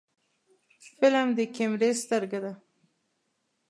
فلم د کیمرې سترګه ده